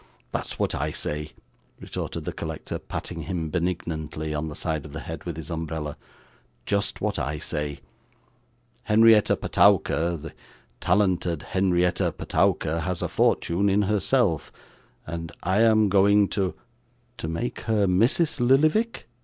'That's what I say,' retorted the collector, patting him benignantly on the side of the head with his umbrella; 'just what I say. Henrietta Petowker, the talented Henrietta Petowker has a fortune in herself, and I am going to ' 'To make her Mrs. Lillyvick?